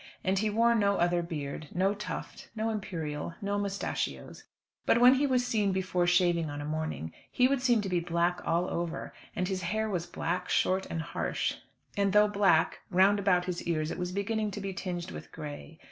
And he wore no other beard, no tuft, no imperial, no moustachios; but when he was seen before shaving on a morning, he would seem to be black all over, and his hair was black, short, and harsh; and though black, round about his ears it was beginning to be tinged with grey.